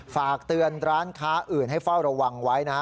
ฝากเตือนร้านค้าอื่นให้เฝ้าระวังไว้นะ